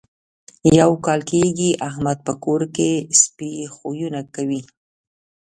یو کال کېږي احمد په کور کې سپي خویونه کوي.